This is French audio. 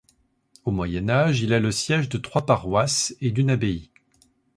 Au Moyen Âge il est le siège de trois paroisses et d'une abbaye.